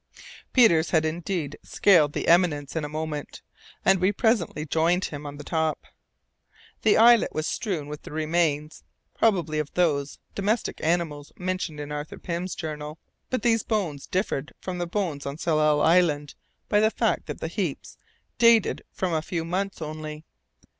Peters had indeed scaled the eminence in a moment, and we presently joined him on the top. The islet was strewn with remains (probably of those domestic animals mentioned in Arthur Pym's journal), but these bones differed from the bones on Tsalal Island by the fact that the heaps dated from a few months only.